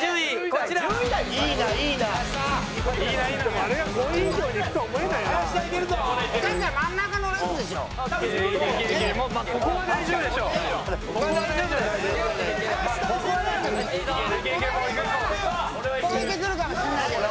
この辺は超えてくるかもしれないけど。